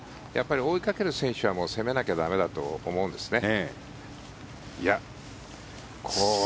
追いかける選手は攻めなきゃ駄目だと思うんですね。